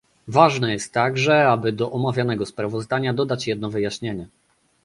Ważne jest także, aby do omawianego sprawozdania dodać jedno wyjaśnienie